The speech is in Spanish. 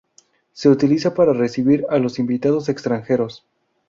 Se utiliza para recibir a los invitados extranjeros.